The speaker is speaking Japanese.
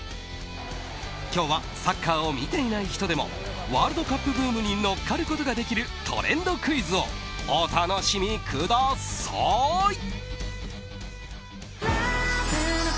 今日はサッカーを見ていない人でもワールドカップブームに乗っかることができるトレンドクイズをお楽しみください。